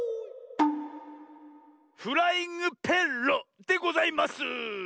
「フライングペッロ」でございます！